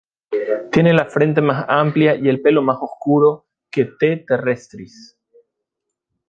Tiene la frente más amplia y el pelo más oscuro que "T. terrestris".